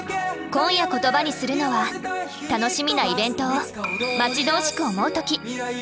今夜言葉にするのは楽しみなイベントを待ち遠しく思う時。